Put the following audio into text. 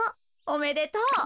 おめでとう。